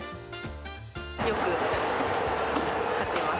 よく買ってます。